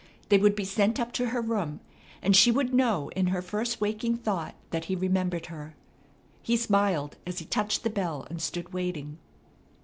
They would be sent up to her room, and she would know in her first waking thought that he remembered her. He smiled as he touched the bell and stood waiting.